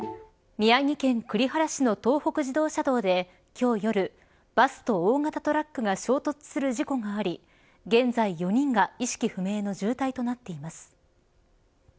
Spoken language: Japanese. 宮城県栗原市の東北自動車道で今日夜、バスと大型トラックが衝突する事故があり現在４人が意識不明の重体となっています。